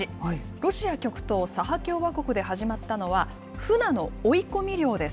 ロシア極東サハ共和国で始まったのは、フナの追い込み漁です。